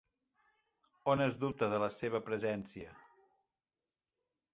On es dubta de la seva presència?